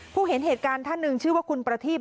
เห็นเหตุการณ์ท่านหนึ่งชื่อว่าคุณประทีพ